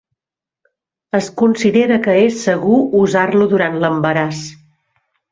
Es considera que és segur usar-lo durant l'embaràs.